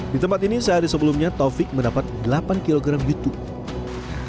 di tempat ini sehari sebelumnya taufik mendapat delapan kg youtube